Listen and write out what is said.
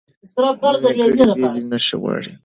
ځینې ګړې بېلې نښې غواړي.